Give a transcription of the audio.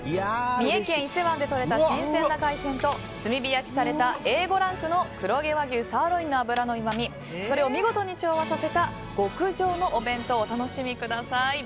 三重県伊勢湾でとれた新鮮な海鮮と炭火焼きされたＡ５ランク黒毛和牛サーロインの脂のうまみそれを見事に調和させた極上のお弁当をお楽しみください。